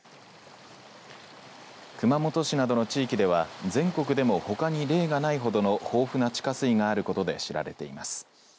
熊本市などの地域では全国でもほかに例がないほどの豊富な地下水があることで知られています。